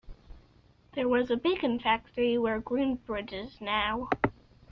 There was a bacon factory where Greenbridge is now.